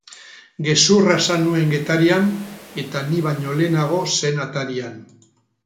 Gezurra esan nuen Getarian, eta ni baino lehenago zen atarian.